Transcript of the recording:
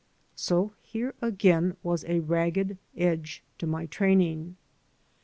So here again was a ragged edge to my training.